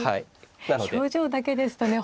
表情だけですとね